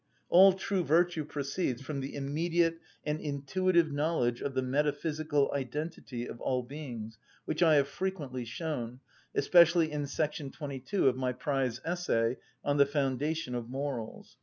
All true virtue proceeds from the immediate and intuitive knowledge of the metaphysical identity of all beings, which I have frequently shown, especially in § 22 of my prize essay on the foundation of morals.